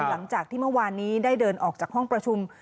หลังจากที่เมื่อวานนี้ได้เดินออกจากห้องประชุม